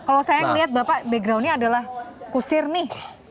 kalau saya ngelihat bapak backgroundnya adalah kusir nih